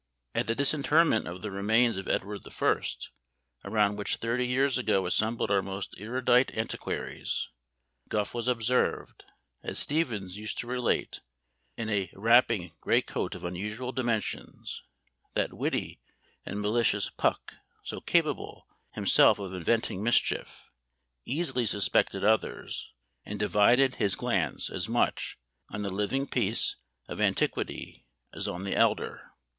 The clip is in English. At the disinterment of the remains of Edward the First, around which thirty years ago assembled our most erudite antiquaries, Gough was observed, as Steevens used to relate, in a wrapping great coat of unusual dimensions; that witty and malicious "Puck," so capable himself of inventing mischief, easily suspected others, and divided his glance as much on the living piece of antiquity as on the elder.